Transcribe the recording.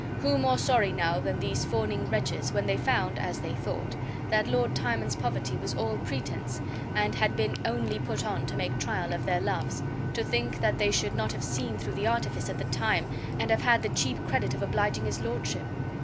Who more sorry now than these fawning wretches, when they found (as they thought) that Lord Timon's poverty was all pretense and had been only put on to make trial of their loves, to think that they should not have seen through the artifice at the time and have had the cheap credit of obliging his lordship?